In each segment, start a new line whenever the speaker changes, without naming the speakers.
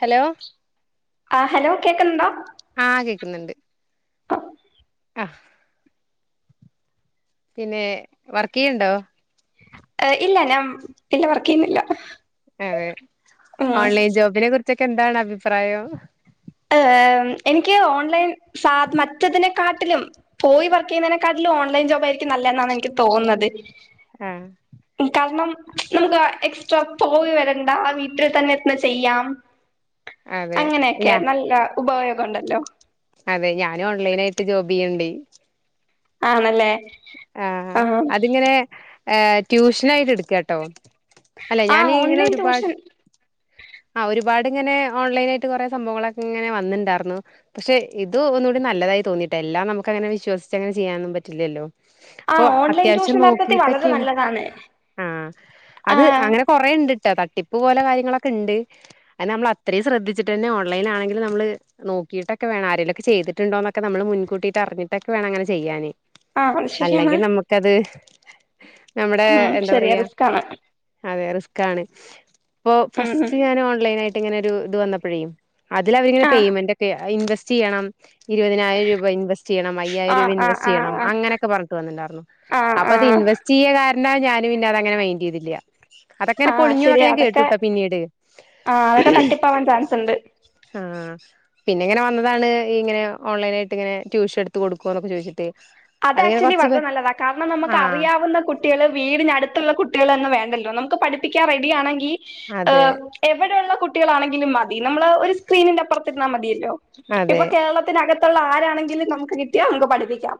Hello
ആ hello കേക്കുന്നുണ്ടോ
ആ കേക്കുന്ന്ണ്ട് ആഹ് പിന്നെ വർക്ക് യ്യ്ണ്ടോ
ഇല്ല ഞാൻ ഇല്ല വർക്ക് ചെയ്യുന്നില്ല
അതെ
ഉം
ഓൺലൈൻ ജോബിനെ കുറിച്ചൊക്കെ എന്താണ് അഭി പ്രായം
എഹ് എനിക്ക് ഓൺലൈൻ സദ മറ്റതിനെക്കാട്ടിലും പോയി വർക്കെയ്യുന്നതിനെക്കാട്ടിലും ഓൺലൈൻ ജോബായിരിക്കും നല്ലെന്നാണ് എനിക്ക് തോന്നുന്നത്
ആഹ്
കാരണം നമുക്ക് എക്സ്ട്രാ പോയി വരണ്ടാ വീട്ടിൽ ഇരുന്ന് ചെയ്യാം
അതെ
ക്കെ
യാ
നല്ല ഉപയോഗണ്ടല്ലോ
വീണ്ടി
ആണല്ലേ
ആഹ് അതിങ്ങനെ ഏഹ് ട്യൂഷനായിട്ട് എടുക്കാട്ടോ അല്ലെ
ആ
ഞാനെ ഇങ്ങനെ
ഓൺലൈൻ
ഒരുപാട്
ട്യൂഷൻ
ആ ഒരു ഒരുപാടിങ്ങനെ ഓൺലൈനായിട്ട് കൊറേ സംഭവങ്ങളൊക്കെ ഇങ്ങനെ വന്നണ്ടായിരുന്നു പക്ഷെ ഇത് ഒന്നൂടി നല്ലതായി തോന്നിയിട്ടാ എല്ലാം നമുക്ക്ങ്ങനെ വിശ്വസിച്ചങ്ങനെ ചെയ്യാനൊന്നും പറ്റില്ലല്ലോ
ആ
അപ്പൊ
ഓൺലൈൻ
അത്യാവശ്യം
ട്യൂഷൻ യഥാർത്ഥത്തിൽ വളരെ
നോക്കിട്ടെക്കെയാണ്
നല്ലതാണ്
ആഹ്
ആ
അത് അങ്ങനെ കൊറേ ഇണ്ട്ട്ടാ ത തട്ടിപ്പ് പോലെ ക്യാര്യങ്ങളൊക്കെ ഇണ്ട് അത് നമ്മള് അത്രയും ശ്രദ്ധിച്ചിട്ടന്നെ ഓൺലൈൻ ആണെങ്കിലും നമ്മള് നോക്കിയിട്ടൊക്കെ വേണം ആരെങ്കിലൊക്കെ ചെയ്തിട്ടുണ്ടോന്നൊക്കെ നമ്മള് മുൻകൂട്ടിട്ട് അറിഞ്ഞിട്ടൊക്കെ വേണം അങ്ങനെ ചെയ്യാന്.
ആ അത് ശരിയാണ്
അല്ലെങ്കി നമുക്കത് നമ്മുടെ
ഉം
എന്താ
ശരിയാ
പറയാ
റിസ്ക് ആണ്
അതെ റിസ്- കാണ് ഇപ്പൊ
ഉം ഉം
ഫസ്റ്റ് ഞാൻ ഓൺലൈൻ ആയിട്ട് ഇങ്ങനെ ഒരു ഇത് വന്നപ്പഴേ അതില്ല് അവര്
ആഹ്
പേ്മെന്റക്കേ ഇൻവസ്റ്റ്- ചെയ്യണം ഇരുവതിനായിരം രൂപ ഇൻവെറ്റ് ചെയ്യണം അയ്യായിരം രൂപ
ആഹ് ആഹ്
ഇൻവെസ്റ്റ്
ആഹ്
ചെയ്യണം അങ്ങന- വർക്ക് വന്നണ്ടോരുന്നു
ആഹ്
അപ്പം അത്
ആഹ്
ഇൻവസ്റ്റ് ചെയ്യക്കാര [unintelligible] എന്നാ ഞാനും പിന്ന അങ്ങനെ മൈൻഡ് ചെയതില്ല
ആ ശരിയാ അതൊക്കെ ആ അതൊക്കെ തട്ടിപ്പാവാൻ ചാൻസ് ഉണ്ട്
ആ പിന്നിങ്ങനെ വന്നതാണ് ഇങ്ങനെ ഓൺലൈനായിട്ട് ഇങ്ങനെ ട്യൂഷൻ എടുത്ത് കൊടുക്കുവോ എന്നൊക്കെ ചോദിച്ചിട്ട്
അത്
അതിങ്ങനെ
ആക്ച്വലി
കൊറച്ച് പേ
വളരെ നല്ലതാ കാരണം നമുക്ക്
ആഹ്
അറിയാവുന്ന കുട്ടികള് വീടിനടുത്തുള്ള കുട്ടികളൊന്നും വേണ്ടല്ലോ നമു ഇപ്പോ പഠിപ്പിക്കാൻ റെഡിയാണെങ്കിൽ ആ
അതെ
എവ ടുള്ള കുട്ടികളാണെങ്കിലും മതി നമ്മള് ഒരു സ്ക്രീനിന്റെ അപ്പുറത്തിരുന്നാൽ മതി യല്ലോ
അതെ
ഇപ്പൊ കേരളത്തിനക ത്തുള്ള ആരാണെങ്കിലും നമുക്ക് കിട്ടിയാ നമുക്ക് പഠിപ്പിക്കാം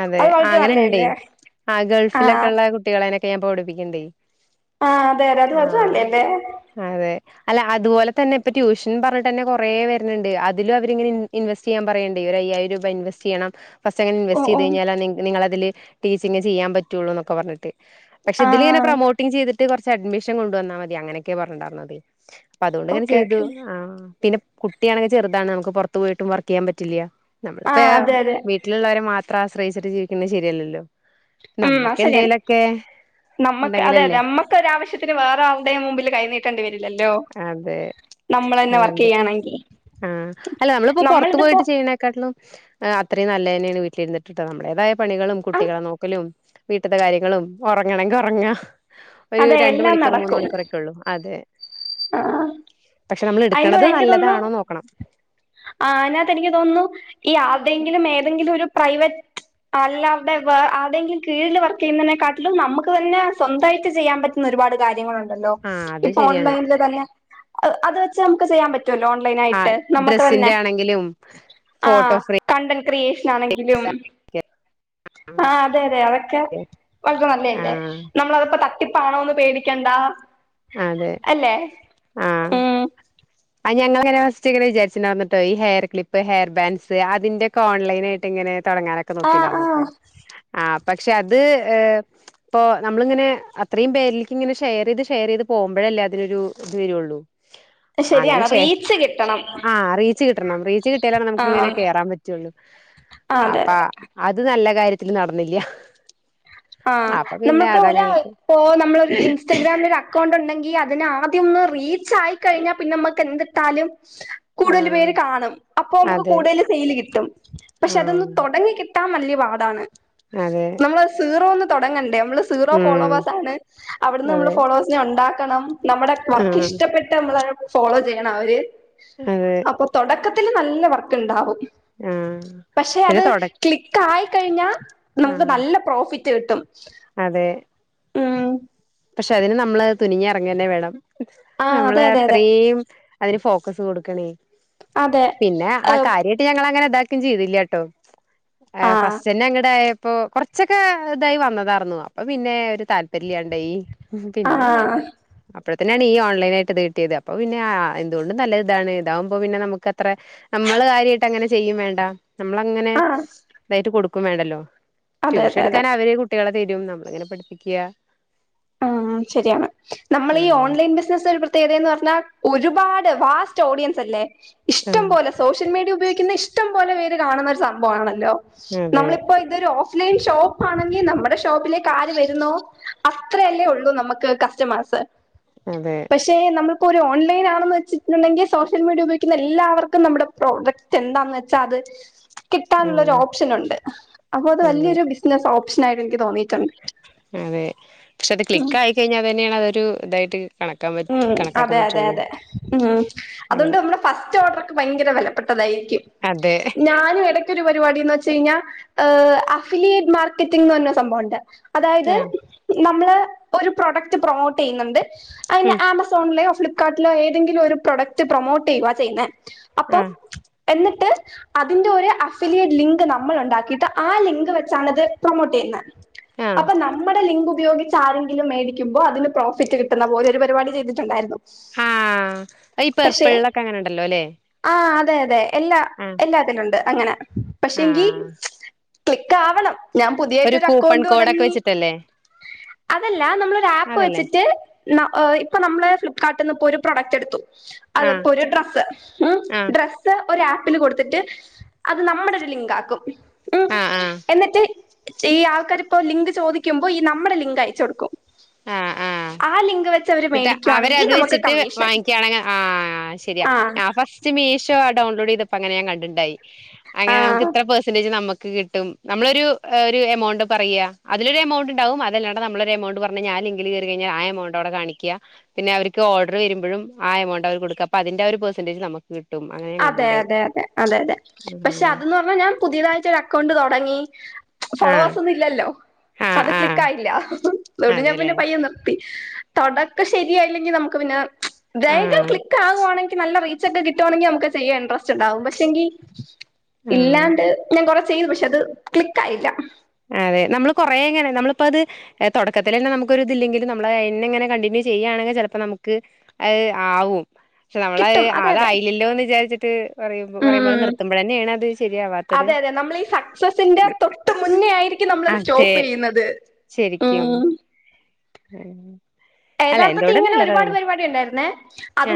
അതേ
അത്
ആ
വളരെ
അങ്ങനെയുണ്ടേ
നല്ലയല്ലേ
ആ ഗൾഫിലൊക്കെ ഉള്ള കുട്ടികളെനെയൊക്കെ ഞാൻ ഇപ്പ പടിപ്പിക്കണുണ്ടേ
ആ അതെ അത് [unintelligible] എന്റെ
അതെ അല്ല അതുപോലെ തന്നെ ഇപ്പൊ ട്യൂഷൻ പറഞ്ഞിട്ട് തന്നെ കൊറേ വരണുണ്ട് അതില് അവരിങ്ങനെ ഇൻവെസ്റ്റ് ചെയ്യാൻ പറയണുണ്ടേ ഒരു അയ്യായിരം രൂപ ഇൻവെസ്റ്റ് ചെയ്യണം ഫസ്റ്റ് അങ്ങനെ
ഓഹ്
ചെയ്ത്
ഓഹ്
കഴിഞ്ഞാൽ നിങ്ങ നിങ്ങളതില് ടീച്ചിങ്ങ് ചെയ്യാൻ പറ്റുവുള്ളൂ എന്നൊക്കെ പറഞ്ഞിട്ട് പക്ഷെ ഇതില് ഇങ്ങനെ
ആഹ്
പ്രൊമോട്ടിങ് ചെയ്തി ട്ട് കൊറച്ച് അഡ്മിഷൻ കൊണ്ടുന്നാ മതി അങ്ങനെയൊക്കെ പറഞ്ഞിട്ടുണ്ടായിരുന്നത് അപ്പൊ അതുകൊണ്ട് ഇങ്ങനെ
ഓക്കെ
ചെയ്തു
ഓക്കെ
ആ പിന്നെ കുട്ടിയാണങ്കിൽ ചെറുതാണ് നമുക്ക് പുറത്ത് പോയിട്ടും വർക്ക് ചെയ്യാൻ പറ്റില്ല നമ്മളിപ്പ
ആഹ് അതെ അതെ
വീട്ടിലുള്ളവരെ മാ അത്ര ആശ്രയിച്ചിട്ട് ജീവിക്കുന്നത് ശരിയല്ലല്ലോ
ഉമ് അത്
നമ്മക്ക്
ശരിയാണ്
എന്തേലൊക്കെ
നമ്മക്ക് അതെ അതെ
ഉണ്ടെങ്കിലല്ലേ
നമ്മക്ക് ഒരാവശ്യത്തിന് വേറെ ആളുടെയും മുമ്പില് കൈ നീട്ടേണ്ടി വരില്ലല്ലേ
അതെ അതാണ്ട്
ചെയ്യാണെങ്കി
ആഹ് അല്ല നമ്മളിപ്പോ പോറത്തു
നമ്മളിതിപ്പോ
പോയിട്ട് ചെയ്യണേക്കാട്ടിലും അത്രയും നല്ല തന്നെയാണ് വീട്ടില്ല് ഇുരുന്നിട്ടണ്ട് നമ്മള അതായത് പണികളും
ആ
കുട്ടികളെ നോക്കലും വീട്ടത്തെ കാര്യങ്ങളും ഉറങ്ങണെങ്കിൽ ഉറങ്ങ ഒരു
അതെ
രണ്ട
എല്ലാം
മണിക്കൂർ മൂന്ന് മണിക്കൂറൊക്കെ ഉള്ളു അതെ
ആഹ്
പക്ഷെ നമ്മൾ
അയിന്
എടുക്കണത്
എനിക്ക് തോന്ന്ണൂ
നല്ലതാണോ നോക്കണം
ആ അതിനകത്ത് എനിക്ക് തോന്നുന്നു ഈ ആരുടെയെങ്കിലും ഏതെങ്കിലും ഒരു പ്രൈവറ്റ് അല്ലാരുടെ ആരുടെയെങ്കിലും കീഴിൽ വർക്ക് ചെയ്യുന്നതിനെക്കാട്ടിലും നമുക്ക് തന്നെ സ്വന്തമായിട്ട് ചെയ്യാൻ പറ്റുന്ന ഒരുപാട് കാര്യങ്ങളുണ്ട് ഒണ്ടല്ലോ
ആഹ് അത്
ഇപ്പൊ
ശരിയാണ്
ഓൺലൈൻ അ അത് വെച്ച് നമുക്ക് ചെയ്യാൻ പറ്റും ഓൺലൈൻ
ആഹ്
ആയിട്ട് നമുക്ക് തന്നെ
ഡ്രസ്സിന്റെ ആണെങ്കിലും
ആ
ഫോട്ടോ
കണ്ടന്റ്ക്രിയേഷൻ ആണെങ്കിലും
ഫ്രെയിം
ആഹ് അതെയതെ അതൊക്കെ നല്ലതല്ലേ
ആഹ്
നമ്മളൊക്കെ തട്ടിപ്പ് ആണോ എന്ന് പേടി [unintelligible]
അതെ ആഹ്
ഉം
ഞങ്ങൾ ഇങ്ങനെ ഫസ്റ്റ് ഇങ്ങനെ വിചാരിച്ചുട്ടുണ്ട് ഈ ഹെയർ ക്ലിപ്പ് ഹെയർ ബാൻസ് അതിന്റെ ഒക്കെ ഓൺലൈനായിട്ട് ഇങ്ങനെ തൊടങ്ങനൊക്കെ
ആഹ്
നോക്കിട്ടുണ്ടായിന്ട്ടോ
ആഹ്
ആ പക്ഷെ അത് ഏ ഇപ്പൊ നമ്മളിങ്ങനെ അത്രയും പേരിലേക്ക് ഇങ്ങനെ ഷെയർ ചെയ്ത് ഷെയർ ചെയ്ത് പോമ്പഴല്ലേ അതിനൊരു ഇത് വരുള്ളു
ശരിയാണ്
അങ്ങനെക്ഷേ
റീച്ച് കിട്ടണം
ആ റീച്ച് കിട്ടണം റീച്ച് കിട്ടിയാല നമുക്ക് ഇങ്ങനെ
ആഹ്
കേറാൻ പറ്റുള്ളൂ
ആഹ് അതെ
അപ്പ
അതെ
അത് നല്ല കാര്യത്തില് നടന്നില്ല്യാ
ആ നമ്മുക്ക് ഒരാൾ ഇപ്പോ നമ്മളൊരു ഇൻസ്റ്റഗ്രാമിൽ ഒരു അക്കൗണ്ട് ഉണ്ടെങ്കി ല് അതിനാദ്യം ഒന്ന് റീച്ച് ആയി കഴിഞ്ഞാ പിന്നെ നമ്മക്ക് എന്തിട്ടാലും കൂടുതൽ
ആഹ്
പേര് കാണും അപ്പോ നമുക്ക്
അതെ
കൂടുതൽ സെയില് കിട്ടും പക്ഷെ അതൊന്ന്
ആഹ്
തുടങ്ങി കി കിട്ടാൻ വലിയ പാടാണ്
അതെ
നമ്മള് [unintelligible] തൊടങ്ങണ്ടേ നമ്മള് സിറോ
ഉം
ഫോളോവേയ്‌സ് ആണ് അവിടുന്നു നമ്മള്
അതെ
ഫോളോയ്സിനെ ഒണ്ടാക്കണം നമ്മുടെ വർക്ക്‌
ആഹ്
ഇഷ്ടപ്പെട്ടാ നമ്മള് ഫോളോ ചെയ്യണം അവര്
അതെ
അപ്പൊ തുടക്ക ത്തിൽ നല്ല വർക്ക് ഇണ്ടാവും
ആഹ്
പക്ഷെ
പിന്നെ
അത്
തൊട
ക്ലിക്കായി കഴിഞ്ഞോ കഴി- നമുക്ക്
ആഹ്
നല്ല- [unintelligible]
അതെ
ഉം
പക്ഷെ അതിന് നമ്മള് തുനിഞ്ഞ് എറങ്ങന്നെ വേണം
ആ അതെ
നമ്മള്
അതെ അതെ
അത്രേം അതിന് ഫോ [unintelligible]
അതെ
പിന്നെ ആ കാര്യമായിട്ട് ഞങ്ങള് അങ്ങനെ ഇണ്ട- പിൻ ചെയ്തില്ലട്ടോ ആ ഫസ്റ്റ് തന്നെ അങ്ങട് ആയാ അപ്പൊ കുറച്ചൊക്കെ ഇതായി വന്നതാ [unintelligible] അപ്പൊ പിന്നെ ഒരു താല്പര്യല്ലാണ്ടായി
ആ
പിന്നെ അപ്പ തന്നാണ് ഈ ഓൺലൈൻ ആയിട്ട് ഇത് കിട്ടിയത് അപ്പൊ പിന്നെ ആ എന്തുകൊണ്ടും നല്ലത് ഇതാണ് ഇതാകുമ്പോ നമുക്ക് അത്ര നമ്മൾ കാര്യയിട്ട് അങ്ങനെ ചെയ്യും വേണ്ട നമ്മളങ്ങനെ
ആ
ഇതായിട്ട് കൊടുക്കും ക്കും വേണ്ടല്ലോ
അതെ
ട്യൂഷൻ
അതെ അതെ
എടുക്കാൻ അവര് കുട്ടികളെ തരും നമ്മളിങ്ങനെ പഠിപ്പിക്കുക
ആ ശരിയാണ് നമ്മളീ ഓൺലൈൻ ബിസിനസ് ഒരു പ്രത്യേകത എന്ന് പറഞ്ഞ ഒരുപാട് വാസ്റ്റ് ഓഡിയൻസ് അല്ലേ ഇഷ്ടം
ഉം
പോലെ സോഷ്യൽ മീഡിയ ഉപയോഗിക്കുന്ന ഇഷ്ടം പോലെ കാണുന്ന ഒരു സംഭവം ആണല്ലോ
അതെ
നമ്മളിപ്പോ ഇതൊരു ഓ ലൈൻ ഷോപ്പ് ആണെങ്കിൽ നമ്മടെ ഷോപ്പിലേക്ക് ആര് വര്ന്നോ അത്രെയല്ലേ ഒള്ളൂ നമ്ക്ക് കസ്റ്റമേഴ്സ്
അതെ
പഷേ നമ്മൾ പ്പൊ ഒരു ഓൺലൈനാണെന്ന് വെച്ച്ട്ട്ണ്ടെങ്കിൽ സോഷ്യൽ മീഡിയ ഉപയോഗിക്ക്ന്ന എല്ലാവർക്കും നമ്മ്ടെ പ്രോഡക്റ്റ് എന്താന്ന് വെച്ചാ അത് കിട്ടാൻള്ള ഒര്
ഉം
ഓപ്ഷനുണ്ട് അപ്പോ അത്
അതെ
വല്യൊരു ബിസിനസ് ഓ പ്ഷനായിട്ടെനിക്ക് തോന്നി
അതെ ക്ഷെ അത്
ഉം
ക്ലിക്കായികയ്ഞ്ഞാ അതന്നേണതൊരു ദ ട്ട്
ഉം അതെ അതെ അതെ ഉം അതൊണ്ട്
അങ്ങനെ
നമ്മളെ ഫസ്റ്റ് ഓർഡർ ഭയങ്കര വെലപ്പെട്ടതായി
അതെ
ഞാനും ഇടക്ക് ക്ക് ഒരു പരിപാടിന്ന് വെച്ച് കഴിഞ്ഞാൽ അഫിലിയേറ്റ് മാർക്കറ്റിംങ്ങ് എന്നുപറഞ്ഞ ഒരു സംഭവം മുണ്ട് അതായത്
ആ
ന നമ്മള് ഒരു പ്രൊഡക്ട് പ്രൊമോട്ട് ചെയ്യുന്നുണ്ട്. അതിന്
ഉം
ആമസോണിലേയോ? ഫ്ലിപ്കാർട്ടില ഏതെിങ്കില് ഒരു പ്രൊഡക്ട് പ്രൊമോട്ട് ചെയ്യുവ ചെയ്യുന്നേ
ആ
അപ്പം എന്നിട്ട് അതിന്റെ ഒരു അഫിലിയേറ്റ് ലിങ്ക് നമ്മൾ ഉണ്ടാക്കിയിട്ട് ആ ലിങ്ക് വെച്ചാണത് പ്രൊമോട്ട് ചെയ്യുന്നത്
ആ
അപ്പൊ നമ്മുടെ ലിങ്കും ഉപയോഗിച്ച് ആരെങ്കിലും മേടിക്കുമ്പോ അതിന് പ്രോഫിറ്റ് കിട്ടുന്ന പോലെ ഒരു പരിപാടി ചെയ്തിട്ടുണ്ടായിരുന്നു
ആഹ
പക്ഷെ
പെർപ്പിൾൊക്കെ അങ്ങനെ ഉണ്ടല്ലോ അല്ലെ
ആ അതെ അതെ എല്ലാ
ആ
എല്ലാത്തിനുണ്ട് അങ്ങനെ
ആ
പക്ഷെങ്കി ക്ലക്ക് ആവണം ഞാൻ
ഒരു
പുതിയായിട്ട്
കൂപ്പൺ
അക്കൗണ്ട്
കോഡൊക്കെ
തുടങ്ങി
വെച്ചിട്ടല്ലേ
അതല്ല നമ്മളൊ ഒരു ആപ്പ്
അതല്ലേ
വെച്ചിട്ട് ഇപ്പ നമ്മള് ഫ്ലിപ്കാട്ടിൽന്ന് ഇപ്പോ ഒരു പ്രോഡക്ട് എടു
ആ
അതപ്പോ ഒരു ഡ്രസ്സ് ഉം
ആ
ഡ്രസ്സ് ഒരാ പ്പന് കൊടുത്തിട്ട് അത് നമ്മുടെത് ലിങ്കാക്കും.
ആ ആ
ഈ ആൾക്കാരിപ്പോ ലിങ്ക് ചോദിക്കുമ്പോ ഈ നമ്മുടെ ലിങ്ക് അയച്ച് കൊടുക്കും. ആ ലി
എന്നിട്ട് അവരത് വെച്ചിട്ട് വാങ്ങിക്കാണെങ്കിൽ ആ ശരിയാ
ആഹ്
ഫസ്റ്റ് മീഷോ ഡൗൺലോഡ് ചെയ്തപ്പോ അങ്ങനെ ഞാൻ കണ്ടിട്ടുണ്ടായി. അങ്ങനെ നമുക്ക്
ആഹ്
ഇത്ര പെർസെന്റേജ് നമുക് കിട്ടും നമ്മളൊരു എമൗണ്ട് പറയാ അതിലൊരു എമൗണ്ട് ണ്ടാകും അതല്ലാണ്ട് നമ്മളൊരു എമൗണ്ട് പറഞ്ഞു കഴിഞ്ഞാൽ ആ ലിങ്കിൽ കയറി കഴിഞ്ഞാൽ ആ എമൗണ്ട് അവിടെ കാണിക് കാ പിന്നെ അവർക്ക് ഓർഡർ വരുമ്പഴും ആ എമൗണ്ട് അവർ കൊടുക്കുക അപ്പോ അതിന്റെ ആ ഒരു പെർസന്റേജ് നമു
അതെ അതെ അതെ അതെ അതെ പക്ഷെ
ഉം
അതെന്ന് പറഞ്ഞാ ഞാൻ പുതിയതായിട്ട് ഒരു അക്കൗണ്ട് തുടങ്ങി
ആ
ഫോളോവെർസ് ഒന്നും ഇല്ലല്ലോ
ആ
അത്
ആ
ക്ലിക് ആയില്ല അതുകൊണ്ട് ഞാൻ
അതെല്ലേ
പിന്നെ പയ്യെ നിർത്തി. തുടക്കം ശരിയായില്ലെങ്കിൽ നമുക്ക് പിന്നെ
ആ
വേഗം ക്ലിക്ക് ആകുകവാണെങ്കിൽ നല്ല റേ ച്ചെക്കെ കട്ടുണെങ്ക നമക്ക് ചെയ ഇൻട്രസ്റ്റ് ണ്ടാവും പക്ഷെങ്ക
ആ
ഇല്ലാണ്ട് ഞാൻ ചെയ്യുന്നു പക്ഷെ അത് ക്ലിക്ക് ആയില്ല
അതെ നമ്മള് കുറെ എങ്ങനെ നമ്മളിപ്പോ അത് തുടക്കത്തി തന്നെ നമുക്ക് ഒരു ഇതില്ലെങ്കിലും നമ്മള്െ എങ്ങനെ കണ്ടിന്യൂ ചെയ്യയാണെങ്കിൽ ചിലപ്പോ നമുക്ക് ആവും പക്ഷെ നമ്മൾ
കിട്ടും അതെ അതെ
അതായില്ലല്ലോ എന്ന് വിചാരിച്ചിട്ട് പറ പറയുമ്പോലെ
ഉം
നിർത്തുമ്പോൾ തന്നെയാണ് അത് ശെരിയാവാത്തത്
അതെ അതെ നമ്മൾ ക്കും നമ്മളത് സ്റ്റോപ്പ് ചെയ്യുന്നത് ഉ
ശരിക്കും. ഉം അല്ല
യഥാർത്ഥത്തി
എന്തോണ്ടും
ഇങ്ങനെ
നല്ലത്
ഒരുപാട്
അതന്നെ.
പരിപാടി ഉണ്ടായിരുന്നേ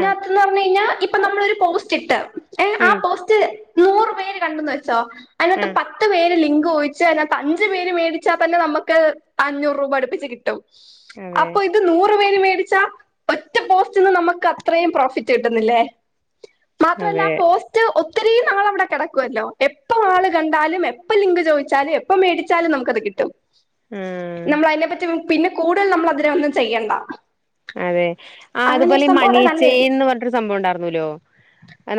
ആഹ്.
പറഞ്ഞു കഴിഞ്ഞാൽ ഇപ്പ നമ്മളരു പോസ്റ്റ് ഇട്ട് ഏ ആ
ആം
പോസ്റ്റ് നൂറ് പേര് കണ്ടന്ന് വ അതിനകത്ത്
ആഹ്.
പത്ത് പേര് ഊഹിച്ചേ അതിതാത്ത് അഞ്ച് പേര് മേടിച്ചാൽ തന്നെ നമക്ക് അഞ്ഞൂറ് രൂപ അടുപ്പിച്ച് കിട്ട് ടും
അതെ.
അപ്പൊ നൂറ് പേര് മേടി - - ച്ച ഒറ്റ പോസ്റ്റ്ന്ന് നമുക്ക് അത്രയും പ്രോഫിറ്റ് കിട്ടുന്നില്ലേ മാത്രല്ല
അതെ.
ആ പോസ്റ്റ് ഒ ഒത്തിരിയും നാൾ അവിടെ കിടക്കുവല്ലോ എപ്പ ആള് കണ്ടാലും എപ്പ ലിങ്ക് ചോദിച്ചാലും എപ്പ മേടിച്ചാലും നമുക്കത് കിട്ടും
ആഹ്.
നമ്മളതിനെ പറ്റി വു പിന്നെ കൂടുതൽ നമ്മൾ അതിനെ വന്ന് ചെയ്യണ്ട
അതെ ആഹ്
അങ്ങനെ ഒരു
അതുപോലെ ഈ
സംഭവം അത് നല്ലായിരുന്നു
മണീച്ചേയിന്ന് പറഞ്ഞട്ടൊരു സംഭവം ഉണ്ടായിരുനൂല്ലോ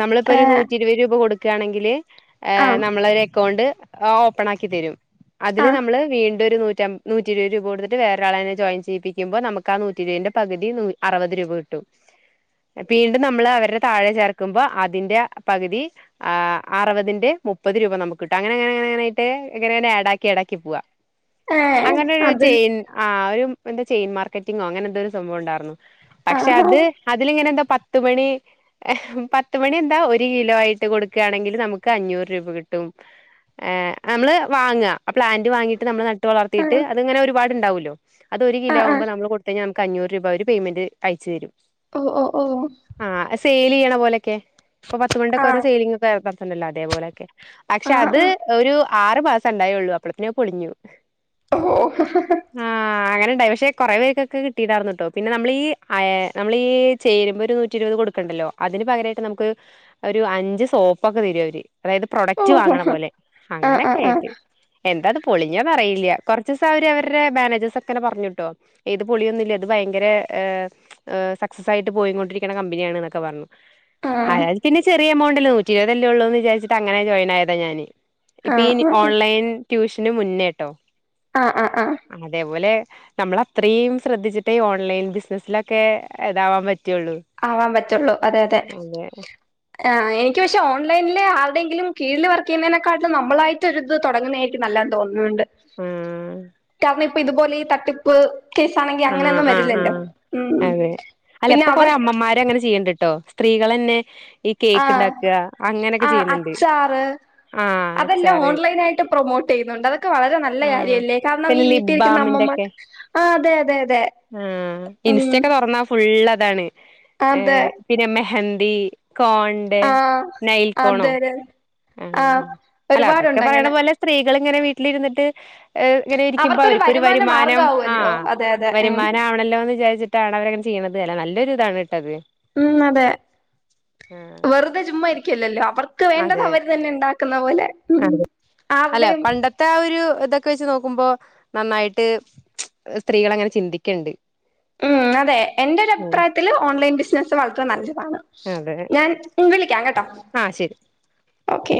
നമ്മളിപ്പൊ ഒരു
ഏഹ്
നൂറ്റി ഇരുപത് രൂപ കൊടുക്ക കൊടുക്കാണങ്കിൽ
ആഹ്
നമ്മള് അക്കൗണ്ട് ആഹ് ഓപ്പൺ ആക്കി തരും അതില്
ആഹ്
നമ്മള് വീണ്ടും നൂറ്റം നൂറ്റിരുപ രൂപടുതിട്ട് വേറെരാളെ അതി ജോയിൻ ചെയ്യിച്ചെയിപ്പിക്കുമ്പോ നമുക്ക് ആ നൂറ്റിരുപന്റെ പകുതി നൂ അറുപത് രൂപ കിട്ടും വീണ്ടും നമ്മള് അവരുടെ താഴെ ചേർക്കുമ്പോ അതിന്റെ പകുതി ആഹ് അറുപതിന്റെ മുപ്പത് രൂപ നമുക്ക് കിട്ടും അങ്ങനെ അങ്ങനായിട്ട് എങ്ങന ആഡാക്കി ആ ഡാക്കി പോവാ
ഏഹ്
അങ്ങനെരു
അത്
ചെയൻ ആഹ് ഒരു എന്തോ ചെയിൻ മാർക്കറ്റിങ്ങോ അങ്ങനെന്തോ ഒരു സംഭം ഉണ്ടാരുന്നു പക്ഷെ
ആഹ്
അത് അതിലിങ്ങനെ എന്നോ പത്ത്മണി എഹ് പത്ത്മണി എന്താ ഒരു കിലോ ആയിട്ട് കൊടുക്കയാണെങ്കിൽ നമുക്ക് അഞ്ഞൂറ് രൂപ കിട്ടും ണ്ടേ നമ്മള് വാങ്ങ നമ്മള് പ്ലാന്റ് വാങ്ങിട്ട് നമ്മൾ നട്ട് വളർത്തിയിട്ട്
ആഹ്
അതിങ്ങനെ ഒരുപാടുണ്ടാവുല്ല അത് ഒരു കിലോ
ആഹ് ആഹ്
ആക്മ്പോ നമ്മ കൊടുത്തഴി അഞ്ഞൂറ് രൂപ അവര് പേയ്മെന്റ് അയച്ച് തരും
ഓ ഓ ഓ
വീണ പോലൊക്കെ ഇപ്പ പത്ത് മണ്ടൊക്കെഓരോ സെലിങ്ങ ഒക്കെറാം ണ്ടല്ല അതേപോലൊക്കെ പക്ഷെ അത്
ആഹ്
ഒരു ആറു മാസം ഉണ്ടായേള്ളു അപ്പളത്തിനെ പൊളിഞ്ഞു
ഓഹ് ഓ
ണ്ടായി പക്ഷെ കുറെ പേർക്കൊക്കെ കിട്ടയിട്ടാർന്ന് കേട്ടോ പിന്നെ നമ്മളീ ആയ് നമ്മളി ചേരുമ്പോ ഒരു നൂറ്റി ഇരുപത് കൊടുക്കണ്ടല്ലോ അതിന് പകരമായിട്ട് നമുക്ക് ഒരു അഞ്ച് സോപ്പ ഒക്കെ തരവ് അവര് അതായത് പ്രൊഡക്റ്റ് വാങ്ങണ
ഓഹ്
പോലെ
ആഹ് ആഹ്
അങ്ങനെയൊക്കെ
ആഹ് ആഹ്
ആയിട്ട് എന്താ പൊളിഞ്ഞതറിയില്യ കുറച്ചിസം അവര് അവ ടെ മാനേജേഴ്സ് ഒക്കനെ പറഞ്ഞൂട്ടോ ഏത് പൊളിയൊന്നുല്ല അത് ഭയങ്കര സക്സസായിട്ട് പോയികൊണ്ടിരിക്കണ കമ്പനിയാണ് എന്നൊക്കെ പറഞ്ഞു അത് പിന്നെ ചെറിയ എമൗ നൂറ്റിരുപതല്ലേ ഉള്ളൂന്ന് വിചാരിചിട്ട് അങ്ങനെ ജോയിൻ ആയതാ ഞാന് ഇപ്പ
ആഹ്
ഓൺലൈൻ ട്യൂഷ തിന് മുന്നേട്ടോ
ആ ആ
അതേപൊലെ നമ്മള അത്രയും ശ്രദ്ധിച്ചിട്ട് ഈ ഓൺലൈൻ ബിസിനസിലക്കെ ഇതാവാൻ പറ്റ
ആവാൻ പറ്റുള്ളൂ അതെ അതെ ആ എനി എനിക്ക് പക്ഷെ ഓൺലൈനിൽ ആരുടെയങ്കിലും കീഴിൽ വർക്ക് ചെയ്യുന്നതിനെക്കാട്ടും നമ്മളായിട്ടൊരിത് തുടങ്ങുന്നെരിക്കും എനിക്ക് നല്ലത തോന്നുന്നിണ്ട്
ആഹ്
കാറാ ഇതുപോലെ ഈ തട്ടിപ്പ് കേസാണെങ്കി
ആഹ്
അങ്ങനെയൊന്നും
ആഹ്
വരില്ലല്ലോ
ആഹ്
ഉം
അതെ അല്ല
പിന്നെ
ഇപ്പൊ
അവർ
കൊറേ അമ്മമാര് അങ്ങനെ ചെയ്യിണ്ടിട്ടോ സ്ത്രീകൾന്നെ
ആ ആ അച്ചാറ്
ആഹ്
അതെല്ലാം
അച്ചാറ്
ഓൺലൈൻ ആയിട്ട് പ്രൊമോട്ട് ചെയ്യുന്നുണ്ട് അതൊക്കെ വളരെ നല്ല
ആഹ്
കാര്യല്ലേ കാരണം ഈ വീട്ടിരിക്കുന്ന അമ്മമാർ ആ അതെ അതെ അതെ
ആ
ഉം
ഇൻസ്റ്റക്കെ തുറന്നാ ഫുള് താണ് ഏ
അതെ
പിന്നെ മെഹൻ ടി കോണ്ട്
ആ
നൈൽ കോണോ
അതെ അതെ
ആ അല്ല അതൊക്കെ
ഒരുപാടുണ്ട്
പറയണ
അങ്ങനെ
പോലെ സ്ത്രീകൾ ഇങ്ങനെ വീട്ടിലിരുന്നിട്ട് ഇങ്ങനെ ഇരിക്കുമ്പോ
അവർക്കൊരു
അവരിക്കൊരു
വരുമാന
വരുമാനം ആ
മാർഗാവുമല്ലോ അതെ അതെ ഉം
വരുമാനാവണല്ലോന്ന് വിചാര്ച്ച്ട്ടാണ് അവരങ്ങനെ ചെയ്യ്ന്നത് അല്ലാ നല്ലൊരു താണ് ട്ടത്
ഉം അതെ
ആഹ്
വെർതെ ചുമ്മാ ഇരിക്കല്ലല്ലോ അവർ ക്ക് വേണ്ടത്
അതെ
അവര് തന്നെ ഇണ്ടാക്കു ന്ന പോലെ ഉം
അതെ അല്ല
ആരുടെയും
പണ്ടത്തെ ആ ഒരു ണ്ട് ഇതൊക്കെ വെച്ച് നോക്കുമ്പോ നന്നായിട്ട് സ്ത്രീകൾ അങ്ങനെ ചിന്തിക്കണുണ്ട്
ഉം അതെ എന്റെ ഒരഭ്പ്രായത്ത്ല് ഓൺലൈൻ ബിസ് സ്നസ് മാത്രം നല്ല ഞാൻ വിളിക്കാം കേട്ടാെ
ആ ശരി
ഓക്കെ